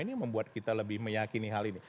ini membuat kita lebih meyakini hal ini